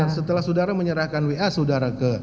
setelah saudara menyerahkan wa saudara ke